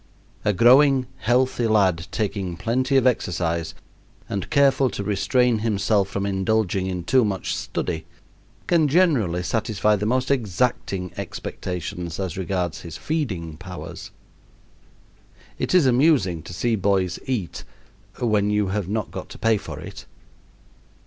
A growing, healthy lad, taking plenty of exercise and careful to restrain himself from indulging in too much study, can generally satisfy the most exacting expectations as regards his feeding powers. It is amusing to see boys eat when you have not got to pay for it.